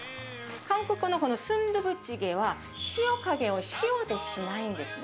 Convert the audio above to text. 韓国のこのスンドゥブチゲは、塩加減を塩でしないんですね。